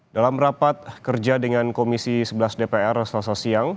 dalam rapat kerja dengan komisi sebelas dpr selasa siang